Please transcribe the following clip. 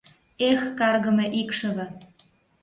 Эх, каргыме икшыве!